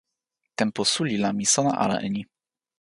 tenpo suli la mi sona ala e ni.